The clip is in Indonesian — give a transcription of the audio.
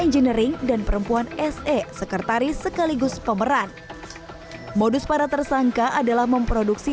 engineering dan perempuan se sekretaris sekaligus pemeran modus para tersangka adalah memproduksi